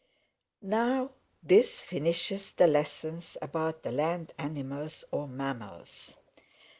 "Now this finishes the lessons about the land animals or mammals.